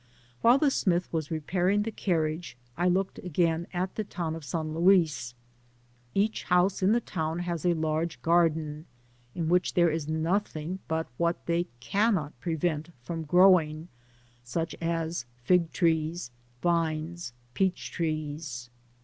Wliile the smith was repairing the carriage, I looked again at the town of San Luis. Each houise in the town has a large garden, in which there is nothing but what they cannot prevent from growings ^ such as fig trees, Vines, peach trees.